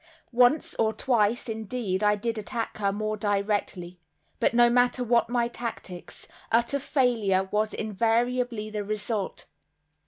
Once or twice, indeed, I did attack her more directly. But no matter what my tactics, utter failure was invariably the result.